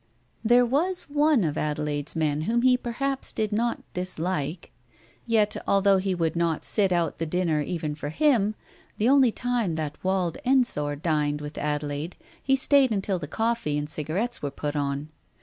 There was one of Adelaide's men whom he perhaps did not dislike. Yet, although he would not sit out the dinner even for him, the only time that Wald Ensor dined with Adelaide he stayed until the coffee and Digitized by Google 238 TALES OF THE UNEASY cigarettes were put on.